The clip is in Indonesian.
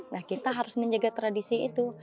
nah kita harus menjaga tradisi itu